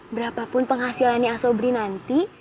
berapapun penghasilannya ah sobri nanti